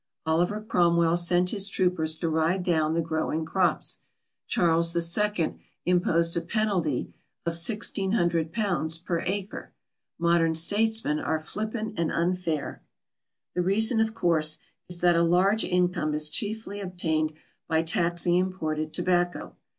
Oliver Cromwell sent his troopers to ride down the growing crops. Charles II imposed a penalty of £1600 per acre. Modern statesmen are flippant and unfair. The reason of course is that a large income is cheaply obtained by taxing imported tobacco.